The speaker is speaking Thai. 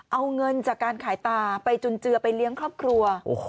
เอาเงินจากการขายตาไปจุนเจือไปเลี้ยงครอบครัว